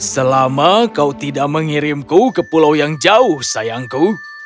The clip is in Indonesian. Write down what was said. selama kau tidak mengirimku ke pulau yang jauh sayangku